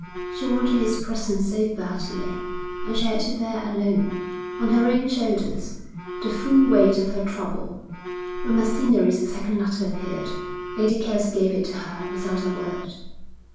She wanted his presence so badly, and she had to bear alone, on her own shoulders, the full weight of her trouble. When Macinnery's second letter appeared, Lady Kelsey gave it to her without a word.